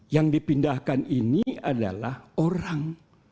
yang dipindahkan ini adalah orang